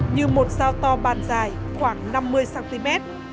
như một dao to bàn dài khoảng năm mươi cm